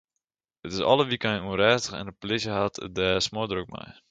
It is alle wykeinen ûnrêstich en de polysje hat it der smoardrok mei.